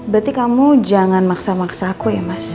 berarti kamu jangan maksa maksa aku